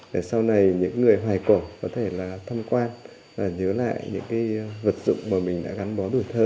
để sau này những người hoài cổ có thể là thăm quan và nhớ lại những cái vật dụng mà mình đã gắn bó tuổi thơ